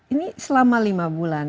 ini selama lima bulan